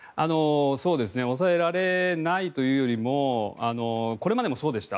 抑えられないというよりもこれまでもそうでした。